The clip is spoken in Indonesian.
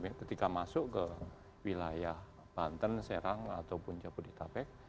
ketika masuk ke wilayah banten serang ataupun jabodetabek